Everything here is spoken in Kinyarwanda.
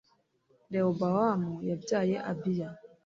Rehobowamu yabyaye Abiya,